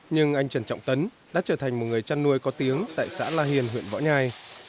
nhưng anh trần trọng tấn đã trở thành một người chăn nuôi có tiếng tại xã la hiền huyện võ nhai